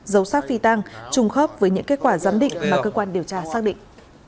dấu sát phi tăng trùng khớp với những kết quả giám định mà cơ quan điều tra xác định